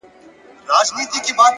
هره هڅه د ځان د درک برخه ده.